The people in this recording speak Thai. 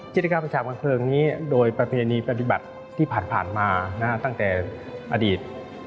จิตกรรมผมันฉากบังเผลินนี้โดยประเพโนีปภัยบัตรที่ผ่านผ่านมาตั้งแต่อดีต